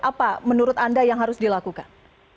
apa menurut anda yang harus dilakukan